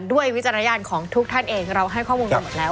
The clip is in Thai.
วิจารณญาณของทุกท่านเองเราให้ข้อมูลกันหมดแล้ว